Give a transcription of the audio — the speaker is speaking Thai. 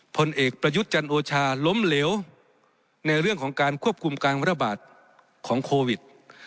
ผลเอกประยุทธ์จันโอชาล้มเหลวในเรื่องของการควบคุมการระบาดของโควิด